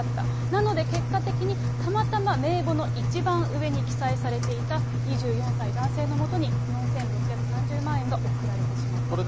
なので、結果的にたまたま名簿の一番上に記載されていた２４歳男性の下に４６３０万円が送られてしまったと。